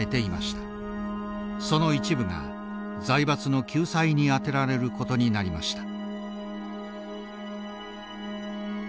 その一部が財閥の救済に充てられることになりました。